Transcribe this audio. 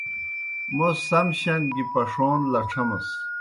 موْس سم شان گیْ پݜَون لڇھمَس۔